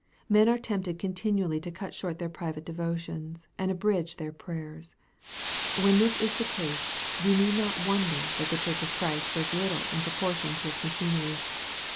Men are tempted contin ually to cut short their private devotions, and abridge their prayers. When this is the case, we need not wonder that the Church of Christ does little in propor tion to its machinery.